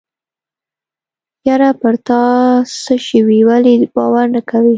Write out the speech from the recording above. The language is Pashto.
يره په تاڅه شوي ولې باور نه کوې.